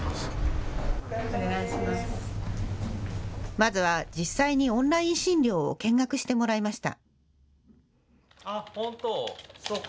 まずは実際にオンライン診療を見学してもらいました。